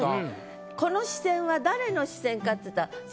この視線は誰の視線かっていったら。